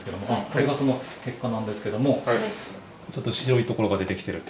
これがその結果なんですけどもちょっと白いところが出てきている。